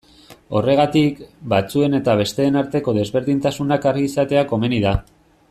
Horregatik, batzuen eta besteen arteko desberdintasunak argi izatea komeni da.